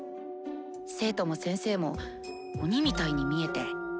生徒も先生も鬼みたいに見えて。